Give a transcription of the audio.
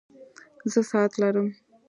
زه ساعت لرم